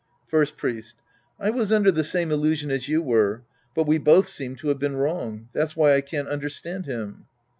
First Priest. I was under the same illusion as you were. But we both seem to have been wrong. That's why I can't understand him.